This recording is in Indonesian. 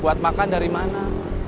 buat makan dari mana